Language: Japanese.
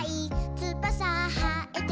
「つばさはえても」